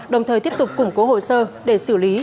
đồng thời tiếp tục củng cố hồ sơ để xử lý